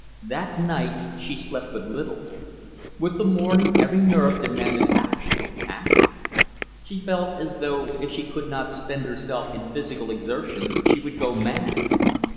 That night, she slept but little. With the morning, every nerve demanded action, action. She felt as though if she could not spend herself in physical exertion she would go mad.